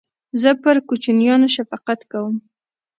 زه پر کوچنیانو شفقت کوم.